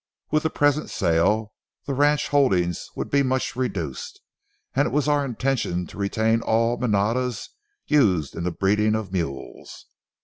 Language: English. With the present sale the ranch holdings would be much reduced, and it was our intention to retain all manadas used in the breeding of mules.